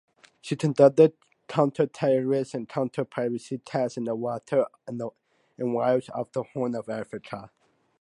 She conducted counter-terrorist and counter-piracy tasks in waters off the Horn of Africa.